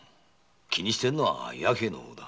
気にしてるのは弥平の方だ。